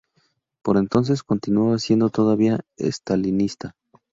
Por entonces continuaba siendo todavía estalinista.